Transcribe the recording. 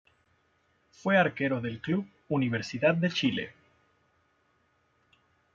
Fue arquero del club Universidad de Chile.